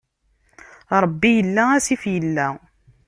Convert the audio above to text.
Ṛebbi illa, asif illa.